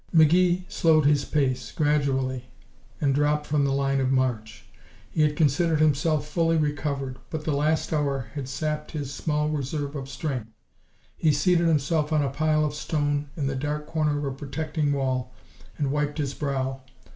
McGee slowed his pace, gradually, and dropped from the line of march. He had considered himself fully recovered, but the last hour had sapped his small reserve of strength. He seated himself on a pile of stone in the dark corner of a protecting wall and wiped his brow.